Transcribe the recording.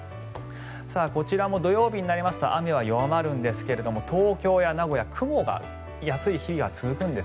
こちらも土曜日になりますと雨は弱まるんですが東京や名古屋は雲が出やすい日が続くんです。